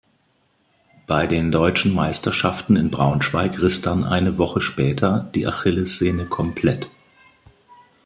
Bei den Deutschen Meisterschaften in Braunschweig riss dann eine Woche später die Achillessehne komplett.